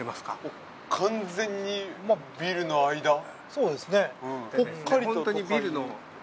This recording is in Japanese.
そうですね。